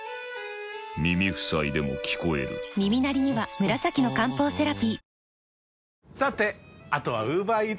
耳塞いでも聞こえる耳鳴りには紫の漢方セラピー